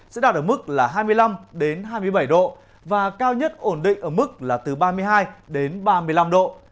sẽ đạt ở mức là hai mươi năm hai mươi bảy độ và cao nhất ổn định ở mức là từ ba mươi hai đến ba mươi năm độ